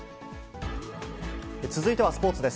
続いてはスポーツです。